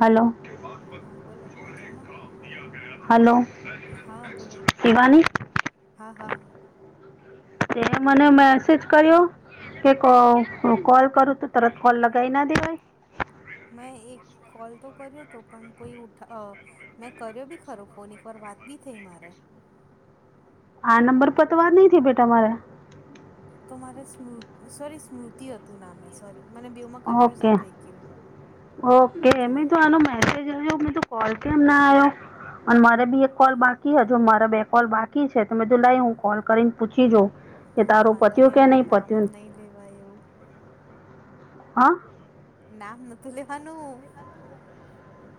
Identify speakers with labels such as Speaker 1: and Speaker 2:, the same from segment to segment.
Speaker 1: Hello.
Speaker 2: હા બોલો મજામાં.
Speaker 1: હલો
Speaker 2: હા બોલો
Speaker 1: શિવાની
Speaker 2: હા હા હા.
Speaker 1: તે મને મેસેજ કર્યો. કે કઉ હું કોલ કરું તું તરત કોલ લગાઈ ના દેવાય.
Speaker 2: મેં એક કોલ તો કર્યો હતો પણ કોઈ ઉઠા અ મેં કર્યો બી ખરો ફોન એક વાર વાત બી થઈ મારે.
Speaker 1: આ નંબર પરતો વાત નહી થઈ ભઈ તમાર.
Speaker 2: તો મારે સ્મૃ સોરી સ્મૃતિ હતું નામે સોરી. મને બેવમાં
Speaker 1: ઓકે
Speaker 2: કન્ફ્યુઝન થઈ ગયું
Speaker 1: ઓકે
Speaker 2: એટલે
Speaker 1: મે તો આનો મેસેજ આયો મે તો કોલ કેમ ના આવ્યો અને મારે બી એક કોલ બાકી હજુ માં ર બે કોલ બાકી છે તો મેધું લઈ હું કોલ કરીને પૂછી જોઉ.
Speaker 2: ના વાંધો નહી આમાં નામ નહી લેવાય એવું.
Speaker 1: હા.
Speaker 2: નામ નતું લેવાનું.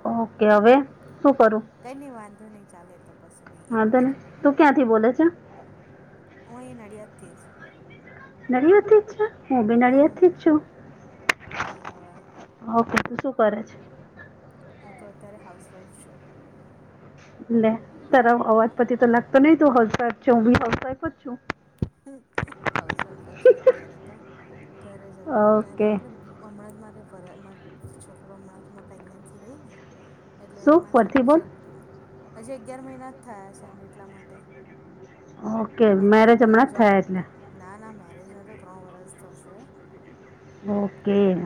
Speaker 1: ઓકે હવે. શું કરૂ?
Speaker 2: કઈ ન વાંધો નહી, ચાલે એ તો- કશું નહી એક
Speaker 1: હાં, તને,
Speaker 2: ફોનમાં
Speaker 1: તું,
Speaker 2: વાંધો
Speaker 1: ક્યાં થી બોલે છે?
Speaker 2: હું, અહીં નડિયાદથી જ.
Speaker 1: નડીયાદ થી જ છે, હું બી નડીયાદ
Speaker 2: હા
Speaker 1: થી જ છું.
Speaker 2: બરાબર
Speaker 1: ઓકે, તુ શું કરે છે?
Speaker 2: હું તો, અત્યારે હાઉસવાઇફ છું.
Speaker 1: લે, તાર અવાજ પછી તો લાગતો નહીં, તુ હાઉસવાઇફ છે. હું બી હાઉસવાઇફ જ છું.
Speaker 2: હ હાઉસવાઈફ છું, અત્યારે તો, ઘરે અત્યારે
Speaker 1: ઓકે
Speaker 2: મતલબ- હમણાં જ મારે, વ મારા છોકરો હમણાં જ માર પ્રેગ્નન્સી રહી ને? એટલે
Speaker 1: શું
Speaker 2: મારા
Speaker 1: ફરથી
Speaker 2: છોકરો,
Speaker 1: બોલ
Speaker 2: જે હજી અગિયાર મહિના જ થયા છે. અને એટલા માટે-
Speaker 1: ઓકે, મેરેજ
Speaker 2: અત્યારે
Speaker 1: હમણાં
Speaker 2: પહેલાં
Speaker 1: જ
Speaker 2: જોબ
Speaker 1: થયા એટલે-
Speaker 2: ના ના, મેરેજને તો ત્રણ વરસ થશે.
Speaker 1: ઓકે.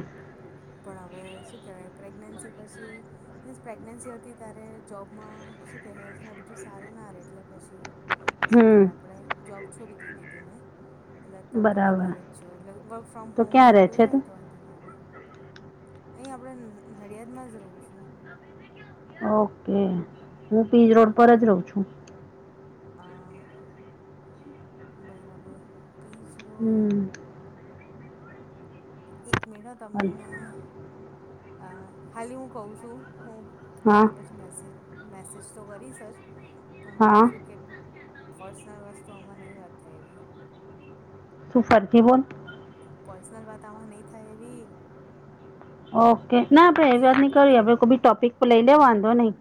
Speaker 2: પણ, હવે શું કહેવાય પ્રેગ્નેન્સી પછી - મીન્સ પ્રેગ્નેન્સી હતી ત્યારે, જોબમાં શું કે હેલ્થને બધું સારું ના રહે એટલે પછી- શું કે,
Speaker 1: હમ
Speaker 2: આપણે જોબ છોડી દીધી હતી મેં. એટલે અતાર તો હવે
Speaker 1: બરાબર
Speaker 2: ઘરે છુ. એટલે વર્ક ફ્રોમ
Speaker 1: તો
Speaker 2: હોમને
Speaker 1: ક્યાં રહે
Speaker 2: એવું કઈ
Speaker 1: છે
Speaker 2: હોય
Speaker 1: તું
Speaker 2: ને તો વાંધા નાઆવે. અહીં આપણે નડિયાદમાં જ રહું છું.
Speaker 1: ઓક, હું પીજ રોડ પર જ રહું છું.
Speaker 2: અ, બરાબર. પીજ રોડ-
Speaker 1: હમ
Speaker 2: એક મીનીટ, હ
Speaker 1: હાલ.
Speaker 2: તમને અ ખાલી હું કઉ છું. હું
Speaker 1: હા
Speaker 2: તમને પછી મેસેજ મેસેજ તો કરીશ જ. પણ
Speaker 1: હા
Speaker 2: કહું છું કે- પર્સનલ વસ્તુઓમાં નહીં વાત થાય એવી.
Speaker 1: શુ, ફરથી બોલ
Speaker 2: પર્સનલ વાત આમાં નહી થાય એવી.
Speaker 1: ઓકે ના આપડે એવી વાત
Speaker 2: એવું
Speaker 1: નઈ કરવી આપડે કોઈ બી ટોપિક લઈ લે વાંધો નઈ.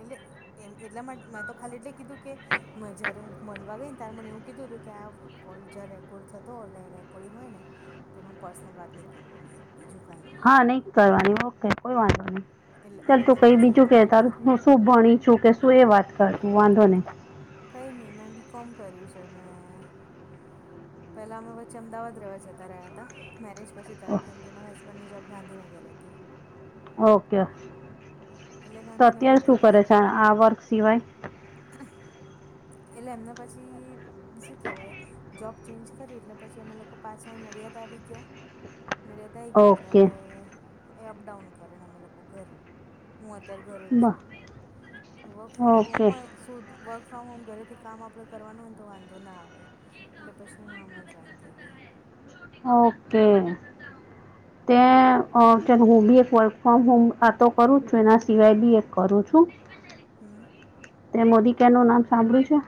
Speaker 2: એટલે એમ એટલા માટે મેં તો ખાલી એટલે કીધું કે. મ જયારે હું મલવા ગઈ ને ત્યારે મને એવું કીધું હતું કે આ. કોલ જ્યાં રેકોર્ડ થતો હોય રે રેકોર્ડિંગ હોય ને તો એમાં પર્સનલ વાત નહીં કરવાની એમ. બીજું કંઈ નહિ.
Speaker 1: હા નઈ કરવાની ઓકે કોઈ વાંધો નહી
Speaker 2: એટલે હું
Speaker 1: ચાલ તું
Speaker 2: તમને
Speaker 1: કઈ બીજું
Speaker 2: મેસેજમાં
Speaker 1: કે
Speaker 2: વાત કરે
Speaker 1: તારું. શું ભણી છું કે શું એ વાત કરું વાંધો નહી.
Speaker 2: કઈ નહી મેં બી કોમ કર્યું છે ને. પેલા અમે વચ્ચે અમદાવાદ રહેવા જતા રહ્યા હતા. મેરેજ પછી તરત કેમ કે મારા હસબન્ડની જોબ ગાંધીનગર હતી.
Speaker 1: ઓકે
Speaker 2: એટલે
Speaker 1: તો અત્યારે
Speaker 2: ગાંધીનગરથી
Speaker 1: શું કરે
Speaker 2: પછી
Speaker 1: છે? આ વર્ક સિવાય.
Speaker 2: એટલે એમના પછી શું કહેવાય. જોબ ચેન્જ કરી એટલે પછી અમે લોકો પાછા નડિયાદ આવી ગયા. નડિયાદ આઈ ગયા એટલે
Speaker 1: ઓકે
Speaker 2: હવે એ અપડાઉન કરેને અમે લોકો ઘરે. હું અત્યારે ઘરે જ છું વર્ક ફ્રોમ હોમ
Speaker 1: ઓકે
Speaker 2: હોય શોધ વર્ક. ફ્રોમ હોમ ઘરેથી કામ આપણે કરવાનું હોયને તો વાંધો ના આવે એટલે પછી હું આમાં જોઈન થઈ ગઈ.
Speaker 1: ઓકે
Speaker 2: એટલે
Speaker 1: ત્યાં અ હું બી એક વર્ક ફ્રોમ હોમ આતો કરું છું એના સિવાય બી એક કરું છું.
Speaker 2: હમ.
Speaker 1: તે મોદીકેરનું નામ સાંભળ્યું છે?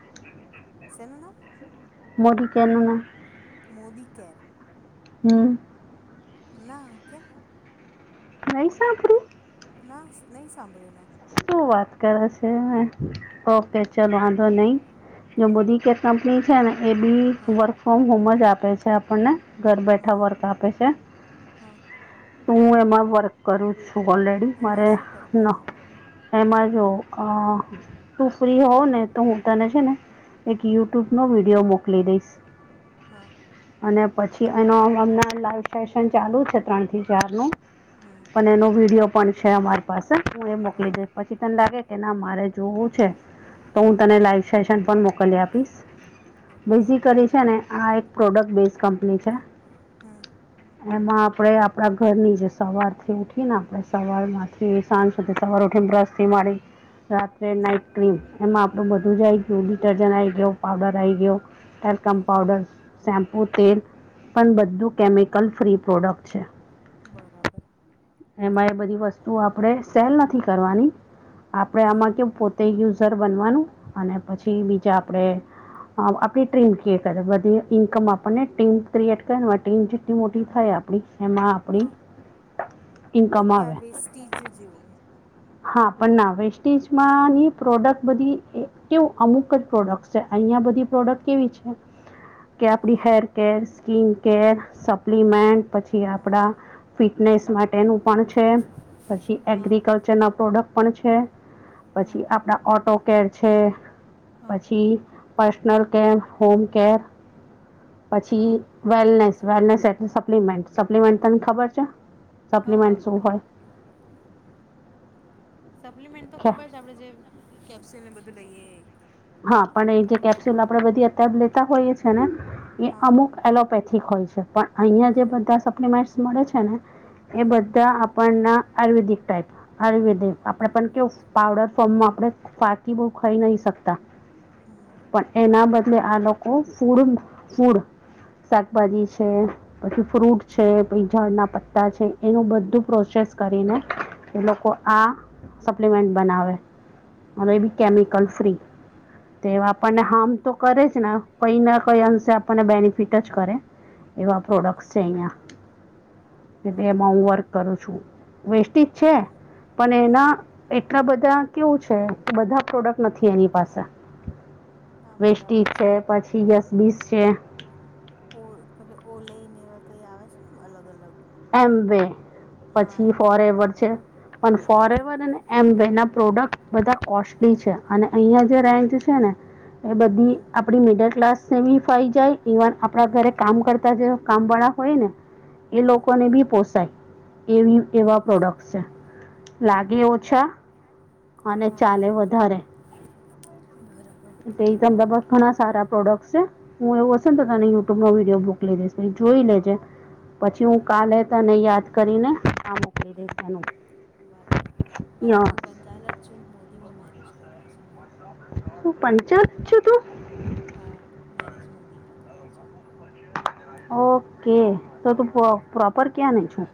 Speaker 2: શેનુ નામ?
Speaker 1: મોડિકેનું નૅ.
Speaker 2: મોદી કેર?
Speaker 1: હમ.
Speaker 2: ના કેમ?
Speaker 1: નઈ સાભળ્યુ?
Speaker 2: ના નહીં સાંભળ્યું મેં.
Speaker 1: શું વાત કરે છે ઓકે ચાલ વાંધો નહીં. જો
Speaker 2: હા
Speaker 1: મોદી કે કંપની છે ને એ બી
Speaker 2: હા
Speaker 1: વર્ક ફ્રોમ હોમ જ આપે છે આપણને. ઘર બેઠા
Speaker 2: હા
Speaker 1: વર્ક આપે છે.
Speaker 2: હા
Speaker 1: હું એમાં વર્ક કરું જ છું ઓલરેડી
Speaker 2: એમાં
Speaker 1: મારે
Speaker 2: શું
Speaker 1: ન
Speaker 2: કરવાનું
Speaker 1: એમાં જો. અ તું ફ્રી હોવ ને તો હું તને છે ને એક યૂટ્યુબ નો વિડીયો મોકલી દઈશ.
Speaker 2: હા.
Speaker 1: અને પછી એનો હમ [unintelligible] લાઈવ સેશન ચાલુ છે ત્રણ થી ચાર નું.
Speaker 2: હા.
Speaker 1: અને એનો વિડીયો પણ છે અમારી પાસે હું એ મોકલી દે
Speaker 2: બરાબર
Speaker 1: પછી તને લાગે કે ના મારે જોવું છે. તો હું
Speaker 2: હમ
Speaker 1: તને લાઈવ સેશન પણ મોકલી આપીશ.
Speaker 2: ઓકે
Speaker 1: બેઝિકલી છે ને આ એક પ્રોડક્ટ બેઝ કંપની છે.
Speaker 2: હમ.
Speaker 1: એમાં આપણેે આપડા ઘર ની જે સવાર થી ઉઠી ને આપણે સવાર માં થી સાંજ સુધી સવાર ઉઠી બ્રસ્થી મળી રાત્રે
Speaker 2: હમ
Speaker 1: નાઇટ. ક્રીમ એમાં આપડું બધું જ આઈ ગયુ ડિટર્જન્ટ આઈ ગયો પાવડર આ આવી ગયો.
Speaker 2: હમ
Speaker 1: એલ્કમ્પાઉડર, શેમ્પુ, તેલ પણ બધું કેમિકલ ફ્રી પ્રોડક્ટ છે.
Speaker 2: બરાબર.
Speaker 1: એમાં એ બધી વસ્તુઓ આપણે સેલ નથી કરવાની આપણે
Speaker 2: હમ
Speaker 1: આમાં કેવું પોતે યુઝર બનવાનું અને પછી
Speaker 2: હમ
Speaker 1: બીજા આપડે હ આપણી ટીમ ક્રિએટ કરે, બધી ઇન્કમ આપણને ટીમ ક્રિએટ કરે આ ટીમ જેટલી મોટી થાય આપ- એમાં આપણી
Speaker 2: હા
Speaker 1: ઇન્કમ આવે.
Speaker 2: તીજ જેવુ
Speaker 1: હા, પણ ના વેસ્ટેજમાં ની પ્રોડક્ટ બધી એકવ અમુક જ પ્રોડક્ટ- અહિયાં બધી પ્રોડક્ટ કેવી છે- - કે આપડી
Speaker 2: હમ
Speaker 1: હેર કેર, સ્કીિન કેર,
Speaker 2: હા
Speaker 1: સપ્લીમેન્ટ પછી
Speaker 2: હા
Speaker 1: આપડા-
Speaker 2: હા
Speaker 1: ફિટનેસ માટેનું પણ છે, પછી
Speaker 2: હા
Speaker 1: એગ્રીકલ્ચરના પ્રોડક્ટ પણ છે-
Speaker 2: હા
Speaker 1: -પછી આપણા ઓટો કેર છે
Speaker 2: હા
Speaker 1: પછી- પર્સનલ કેર, હોમ કેર
Speaker 2: હા
Speaker 1: પછી- વેલનેસ એટલે સપ્લિમેન્ટ, તને ખબર છે
Speaker 2: હા હા
Speaker 1: સપ્લિમેન્ટ
Speaker 2: હા
Speaker 1: શું હોય?
Speaker 2: સપ્લિમેન્ટ તો ખબર છે, આપડણેે જે કેપ્સ્યુલને બધું લઈએ.
Speaker 1: હા, પણ એ જે કેપ્સ્યુલ આપણેે બધી અત્યારે લેતા હોઈએ છે ને- એ,
Speaker 2: હા
Speaker 1: અમુક એલોપેથીક હોય છે. પણ, અહિયાં જે
Speaker 2: હમ
Speaker 1: બધા સપ્લિમેન્ટ મળે છે ને- એ
Speaker 2: હા
Speaker 1: બધા આપણના આયુર્વેદિક ટાઈપ- આયુર્વેદિક આપડે પણ કેવુ, પાવડર ફોર્મમાં આપણે ફાકી બહુ ખાઈ નહી શકતા-
Speaker 2: હમ
Speaker 1: પણ, એના બદલે આ લોકો ફૂડ ફૂડ- શાકભાજી છે- -પછી ફ્રૂટ છે, પછી ઝાડના પત્તા છે, એનું બધું પ્રોસેસ કરીને- -એ લોકો આ સપ્લિમેન્ટ બનાવે. અને એ બી કેમિકલ
Speaker 2: બરાબર
Speaker 1: ફ્રી. તે આપણને હામ
Speaker 2: બરાબર
Speaker 1: તો કરે જને કઈ ના કઈ અંશે આપણને બેનિફિટ જ કરે એવું પ્રોડક્ટસ છે
Speaker 2: અહં
Speaker 1: અહીયા. કેલેમાં
Speaker 2: બરાબર
Speaker 1: હમવર્ક કરું છું વેસ્ટીજ છે
Speaker 2: હમ હમ
Speaker 1: પણ
Speaker 2: હમ
Speaker 1: એના એટલા બધા કેવું છે બધા પ્રોડક્ટ નથી એની પાસે
Speaker 2: ના
Speaker 1: વૈષ
Speaker 2: બરાબર
Speaker 1: છે પછી યસ બીસ છે.
Speaker 2: ઓ પછી ઓ લઈને એવા કઈ આવે છેને અલગ અલગ
Speaker 1: એમ વે
Speaker 2: હા
Speaker 1: પછી
Speaker 2: એમ
Speaker 1: ફોર
Speaker 2: બેને
Speaker 1: એવર
Speaker 2: ઓલ
Speaker 1: છે પણ ફોર
Speaker 2: હા
Speaker 1: એવર અને એમ વે ના પ્રોડક્ટ બધા કોસ્ટલી છે અને અહિયાં જે રેન્જ છે ને એ બધી
Speaker 2: હમ
Speaker 1: આપડી મિડલ ક્લાસને બી ફાઈ જાય ઇવન આપણા ઘરે
Speaker 2: હમ
Speaker 1: કામ કરતા જ કામ વાળા હોયને એ લોકોને
Speaker 2: બરાબર
Speaker 1: બી પોસાય એવી એવા
Speaker 2: બરાબર
Speaker 1: પ્રોડક્ટ છે. લાગે
Speaker 2: બરાબર
Speaker 1: ઓછા અને
Speaker 2: હા
Speaker 1: ચાલે વધારે
Speaker 2: બરાબર
Speaker 1: એ તમદ ઘણા સારા પ્રોડક્ટ છે હું એવું હશે તો તને
Speaker 2: હા
Speaker 1: યુટ્યુબ નો વિડીયો મોકલિશ. જોઈ લેજે પછી
Speaker 2: હા
Speaker 1: હું કાલે તને યાદ કરીને આ મોકલી
Speaker 2: હમ
Speaker 1: દઈશ એનું
Speaker 2: બરાબર, બાકી
Speaker 1: યા
Speaker 2: હું પંચાલ જ છું મોદીમાં મેરેજ કર્યા છે.
Speaker 1: હું પંચાત છું તું?
Speaker 2: હા મેરેજ મોદીમાં કર્યા છે.
Speaker 1: ઓકે તો તું પો પ્રોપર ક્યાં ને છું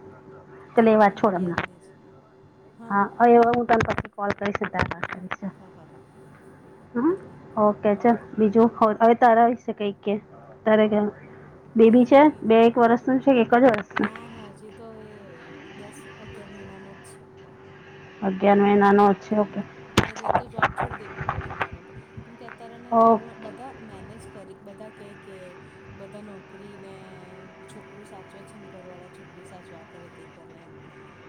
Speaker 1: તલે
Speaker 2: અહીં
Speaker 1: એ વાત
Speaker 2: આપણે
Speaker 1: છોડ હમણાં.
Speaker 2: નડિયાદની જ
Speaker 1: હા અ એ હું તમ પછી કોલ કરી સીધા
Speaker 2: હા
Speaker 1: ઠક છે.
Speaker 2: હા હા હા
Speaker 1: હ,
Speaker 2: એટલે
Speaker 1: ઓકે
Speaker 2: હા
Speaker 1: ચ
Speaker 2: હા
Speaker 1: બીજું હવે
Speaker 2: પાક્કો
Speaker 1: તારા વિશે કઈક કે તારે બેબી
Speaker 2: કઈ
Speaker 1: છે
Speaker 2: નઈ
Speaker 1: બે એક વર્ષનું છે કે એક જ
Speaker 2: ના
Speaker 1: વર્ષનું
Speaker 2: ના હજી તો એ દસ અગિયાર મહિનાનો જ છે.
Speaker 1: અગિયાર મહિના
Speaker 2: હમ એટલે તો જોબ છોડી દેવી પડી મારે કેમ કે અત્યારેને
Speaker 1: ઓ
Speaker 2: જરૂર બધા મેનેજ કરી બધા કેય કે બધા નોકરીને છોકરું સાચવે જ છે ને ઘર વાળા છોકરું સાચવે આ કરે તે કરે એમ.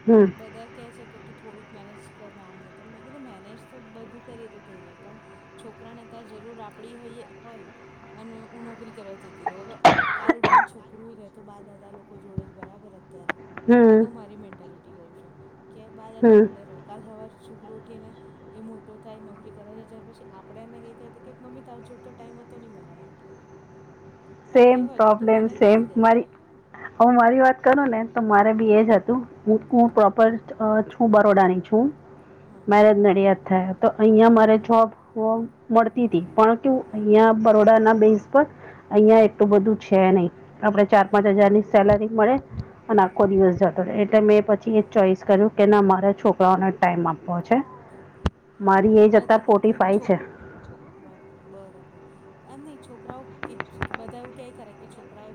Speaker 1: હમ.
Speaker 2: બધા કે છે કે તું થોડુંક મેનેજ કરના આમ નથી મેં કીધું મેનેજ તો બધું કરીએ તો થઈ જાય પણ છોકરાને અતાર જરૂર આપડી હોય અને હું નોકરી કરવા જતી રવ હવે કાલ ઉઠીને છોકરું રહે તો બા દાદા લોકો જોડે જ બરાબર હ. અત્યારે આ
Speaker 1: હમ
Speaker 2: તો મારી મેન્ટાલિટી કઉ છું કે બા દાદા
Speaker 1: હમ
Speaker 2: જોડે રહે કાલ હવાર છોકરું ઉઠીને એ મોટો થાય નોકરી કરવા જાય ત્યાર પછી આપણે એને કઈ કહેતા કે મમ્મી તારા જોડતો ટાઈમ હતો નહી મારા માટે તારે કંઈ
Speaker 1: સેમ
Speaker 2: હોય તો તું
Speaker 1: પોબ્લેમ
Speaker 2: મને કહી
Speaker 1: સેમ
Speaker 2: દે
Speaker 1: મારી હવે મારી વાત કરુંને તો મારે બી એજ હતું. હું પ્રોપર છ છું બરોડાની છું
Speaker 2: હા
Speaker 1: મેરેજ નડિયાદ થયા તો અહિયાં મારે
Speaker 2: હા
Speaker 1: જોબ મળતી હતી પણ કે
Speaker 2: હા
Speaker 1: અહિયાં બરોડાના બેસ પર અહિયાં એટલું બધું છે નહી. આપડે ચાર
Speaker 2: હમ
Speaker 1: પાંચ હજારની સેલરી મળે. અને આખો દિવસ જતો એટલે મેં
Speaker 2: હમ
Speaker 1: પછી એ
Speaker 2: હા
Speaker 1: ચોઈસ કર્યું કે મારા છોકરાઓને ટાઈમ આપવો છે. મારી એજ
Speaker 2: બધા
Speaker 1: અત્યારે
Speaker 2: કે
Speaker 1: ફોર્ટી
Speaker 2: કે
Speaker 1: ફાઈવ છે
Speaker 2: છોકરા બાપરે બરાબર નહીં છોકરાઓ બધા એવું ક્યાય ખરા કે છોકરાઓ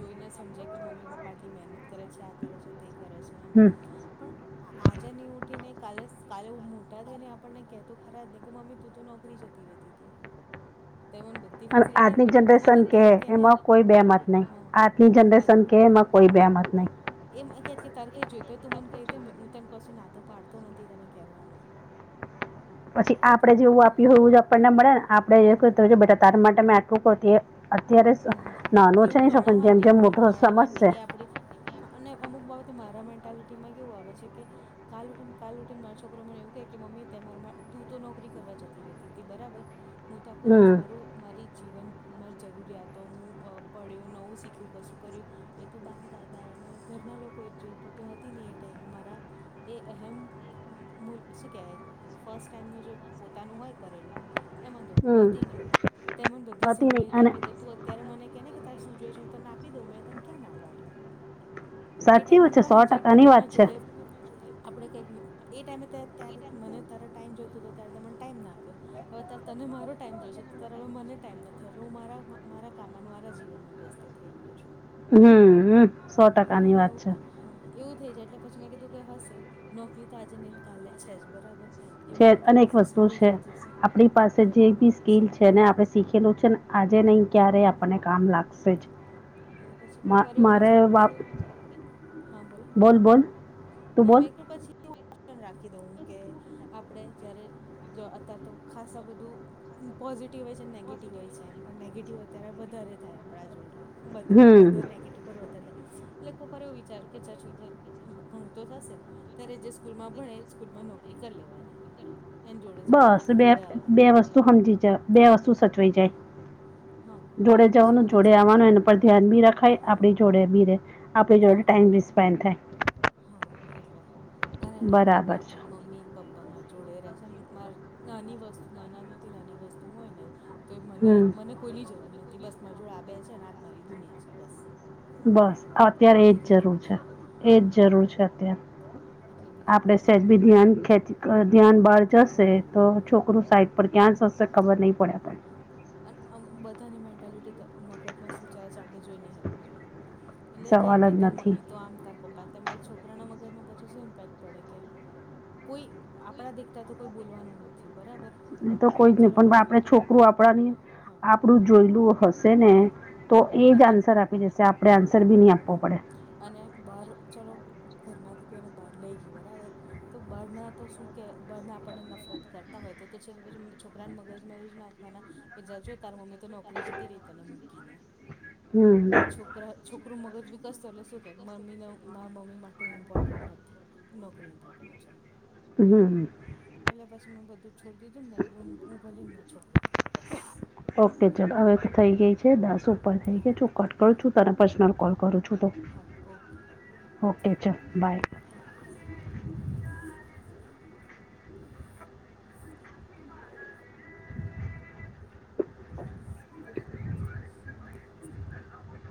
Speaker 2: જોઈને સમજે કે મમ્મી પપ્પા આટલી મહેનત કરે છે, આ કરે છે, તે કરે છે, એમ
Speaker 1: હમ.
Speaker 2: પણ આ આજે નહીં ઉઠીને કા કાલે મોટા થઈને આપણને કહેતો ખરા જ નહીં કે મમ્મી તું તો નોકરી જતી રહેતી હતી
Speaker 1: હ
Speaker 2: તે મન બ
Speaker 1: પણ આજની જનરેશન કે એમાં કોઈ બે મત નહીં
Speaker 2: હા
Speaker 1: આજની જનરેશન કે એમાં કોઈ બે
Speaker 2: હા
Speaker 1: મત નહી
Speaker 2: એમ મન કે તાર કઈ જોઈતો હોય તું મને કઈ રતે હું તને કશું નાતો પાડતો નથી તને કેરવામાં
Speaker 1: [unintelligible] પછી આપડે જેવું આપ્યું હોય એવું આપણને મળે ને આપડે બેટા તાર માટે મે આટલું અત્યારે સુ નાનો છે
Speaker 2: હું
Speaker 1: નહીં સપન જેમ
Speaker 2: ગણાવાની
Speaker 1: જેમ
Speaker 2: એ
Speaker 1: મોટો
Speaker 2: ગણાવાની
Speaker 1: સમજશે
Speaker 2: એ આખું અને અમુક બાબતે મારા મેન્ટાલિટીમાં કેવું આવે છે કે કાલ ઉઠને કાલ, ઉઠીને મારા છોકરો મને એવું કે કે મમ્મી તે માર તું તો નોકરી કરવા જતી રહેતી હતી બરાબર હું તો આખો દિવસ
Speaker 1: હમ
Speaker 2: મારું મારી જીવન માર જરૂરિયાતો હું અ પડ્યો નવું શીખ્યું કશું કર્યું એ તો બા દાદા એને ઘરના લોકોએજ જોયુ તુ તો હતી ની એ ટાઈમે મારા એ અહેમ મુલ શુ કેવાય ફર્સ્ટ ટાઈમનું જે પોતાનું હોય કરેલું એમાં તો તું
Speaker 1: હમ
Speaker 2: હતી નહી તે મને બધી
Speaker 1: હતી
Speaker 2: સહલિયત
Speaker 1: નહીં અને
Speaker 2: તો તું અત્યારે મને કેને તાર શું જોઈએ છે હું તને આપી દઉં મેં તને ક્યાં ના પાડી એ
Speaker 1: સાચી
Speaker 2: ટાઈમે
Speaker 1: વાત છે
Speaker 2: કોણ
Speaker 1: સો
Speaker 2: હમજે તું
Speaker 1: ટકાની
Speaker 2: ભાઈ
Speaker 1: વાત
Speaker 2: મારા
Speaker 1: છે
Speaker 2: જોડે આપણે કંઈક, એ ટાઈમે તે ત્યારે મને તારે ટાઈમ જોઈતો હતો ત્યારે તે મન ટાઈમ ના આપ્યો હવે ત્યારે તને મારો ટાઈમ જોઈશે, ત્યારે હવે મને ટાઈમ નથી હવે હું મારા, મારા કામ જીવનમાં વ્યસ્ત થઈ ગયો છું
Speaker 1: હમ, સો
Speaker 2: એટલે
Speaker 1: ટકા ની
Speaker 2: મને
Speaker 1: વાત
Speaker 2: એવું
Speaker 1: છે
Speaker 2: હા એવું થઈ જાય એટલે પછી મેં કીધું કે હશે નોકરી તો આજે નઈને કાલે છે જ બરાબર એ
Speaker 1: છે
Speaker 2: મોટો થઈ
Speaker 1: અનેક
Speaker 2: જશે
Speaker 1: વસ્તુ
Speaker 2: સ્કૂલ
Speaker 1: છે
Speaker 2: જતો હશે
Speaker 1: આપણી પાસે
Speaker 2: તે
Speaker 1: જે
Speaker 2: ટાઈમે
Speaker 1: બી સ્કીલ
Speaker 2: કરીશું
Speaker 1: છે ને આપડે શીખેલુ છે ન આજે નહી ક્યારે
Speaker 2: હા
Speaker 1: આપણને કામ લાગશે જ
Speaker 2: એટલે પછી કોઈક
Speaker 1: મા
Speaker 2: વાર એવું
Speaker 1: મારે
Speaker 2: વિચારું કે હા, બોલો
Speaker 1: બોલ બોલ તું
Speaker 2: ના
Speaker 1: બોલ
Speaker 2: મેક્યો પછી રાખી દઉુ કે આપણે જયારે જો અત્યારે તો ખાસા બધું પોઝિટિવ હોય છે, અને નેગેટિવ હોય છે, એમ પણ નેગેટિવ ત્યારે વધારે થાય આપડા જોડ, બો
Speaker 1: હમ
Speaker 2: બધાને નેગેટિવ એકવાર વધારે થાય એટલે કોકવાર એવું વિચાર કે જ છોકરો ભણતો થશે ત્યારે જે સ્કૂલમાં ભણે એજ સ્કૂલમાં નોકરી કર લેવાની એને જોડે જવાનું, જોડે આવવાનું
Speaker 1: તુ હમજી જા બે વસ્તુ સચવાઈ જાય
Speaker 2: હા
Speaker 1: જોડે
Speaker 2: એટલે પછી
Speaker 1: જવાનું,
Speaker 2: એવું
Speaker 1: જોડે
Speaker 2: વિચારી
Speaker 1: આવવાનું, એના પર ધ્યાન બી રખાય,
Speaker 2: હમ.
Speaker 1: આપણી જોડે બી રે આપણી જોડે ટાઈમ
Speaker 2: એટલે
Speaker 1: બી સ્પેન્ડ થાય,
Speaker 2: હા એટલે અને નહી થાય કે
Speaker 1: બરાબર
Speaker 2: ના
Speaker 1: છે
Speaker 2: કઈ મમ્મી, પપ્પા માર જોડે રહે છે મારે નાની વસ્તુ નાનામાંથી નાની વસ્તુ હોય ને તો મને
Speaker 1: હમ
Speaker 2: મને કોઈની જરૂર નથી બસ માર જોડે આ બે છે ને આજ મારી દુનિયા છે બસ
Speaker 1: બસ, અત્યારે
Speaker 2: એ
Speaker 1: એજ જરૂર
Speaker 2: રીતનું
Speaker 1: છે, એજ જરૂર છે, અત્યારે
Speaker 2: એટલે બીજું
Speaker 1: આપડે
Speaker 2: કઈ
Speaker 1: સેજ
Speaker 2: નહી.
Speaker 1: બી ધ્યાન ખેચ અ ધ્યાન બહાર જશે
Speaker 2: હમ.
Speaker 1: તો છોકરું સાઈ પર ક્યાં
Speaker 2: હમ
Speaker 1: સસે ખબરનહી પડે આપણને
Speaker 2: હા અને આમ બધાની મેન્ટાલિટી તો મગજમાં સુુંચા છે આપણે જોઈ ની હકવાના એટલે
Speaker 1: સવાલ
Speaker 2: કે
Speaker 1: જ
Speaker 2: તારા
Speaker 1: નથી
Speaker 2: મમ્મી તો આમ તારા પપ્પા તેમને છોકરાનાં મગજમાં પછી શું ઇમ્પેક્ટ પડે કે કોઈ આપણા દેખતા તો કોઈ બોલવાનું નથી બરાબર
Speaker 1: નહી તો
Speaker 2: હવે
Speaker 1: કોઈ જ નહીં,
Speaker 2: ચાલો
Speaker 1: પણ
Speaker 2: બહાર
Speaker 1: આપણું છોકરું આપણાની
Speaker 2: હા
Speaker 1: આપણું જોયેલું હશે ને
Speaker 2: હા
Speaker 1: તો એ જ
Speaker 2: અને
Speaker 1: આન્સર આપી જશે આપણે આન્સર પણ નહી
Speaker 2: હમ
Speaker 1: આપવો પડે.
Speaker 2: અને બહાર ચલો ઘરમાંથી કોઈને બહાર લઈ ગયું બરાબર તો બહારના શું કેય કે બહારના આપણને નફરત કરતા હોય તો છે પછી છોકરાના મગજમાં એવું જ નાખવાના કે જો જો તારી મમ્મી તો નોકરી જતી રહી તને મૂકીને
Speaker 1: હમ
Speaker 2: છોકરી છોકરા નો મગજ વિકસત થાય એટલે શું કહે કે મમ્મીને મારા મમ્મી માટે હું ઇમ્પોર્ટન્ટ નથી. નોકરી ઈમ્પોર્ટન્ટ છે
Speaker 1: હમ
Speaker 2: એટલે પછી મેં બધું છોડી દીધું ને કીધું કે હું ભલી ને મારો છોકરો ભલો બસ
Speaker 1: ઓકે ચાલો હવે તો થઈ ગઈ છે દસ ઓકે થઈ
Speaker 2: હા
Speaker 1: ગયા કટ
Speaker 2: ઓકે
Speaker 1: કરું
Speaker 2: હા
Speaker 1: છું તને પર્સનલ કોલ કરું છું તો
Speaker 2: હા
Speaker 1: ઓકે ચલ બાય
Speaker 2: હમ બાય